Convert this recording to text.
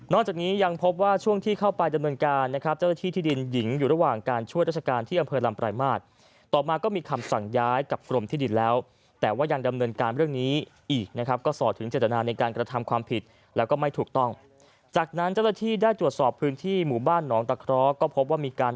นอกจากนี้ยังพบว่าช่วงที่เข้าไปดำเนินการ